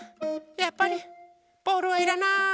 やっぱりボールはいらない。